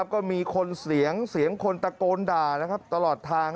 ก็มีคนเสียงคนตะโกนด่าตลอดทาง